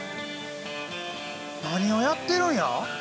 何をやってるんや？